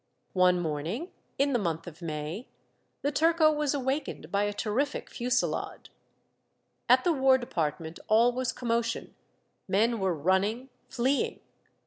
^ One morning in the m.onth of May, the turco was awakened by a terrific fusillade. At the v/ar department all was commotion, men were running, fleeing.